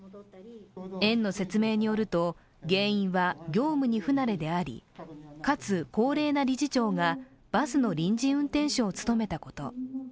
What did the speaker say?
園の説明によると、原因は、業務に不慣れであり、かつ高齢な理事長がバスの臨時運転手を務めたこと。